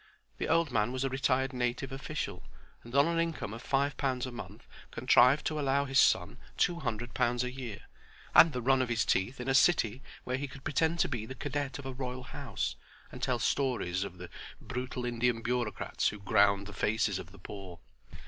The old man was a retired native official, and on an income of five pounds a month contrived to allow his son two hundred pounds a year, and the run of his teeth in a city where he could pretend to be the cadet of a royal house, and tell stories of the brutal Indian bureaucrats who ground the faces of the poor.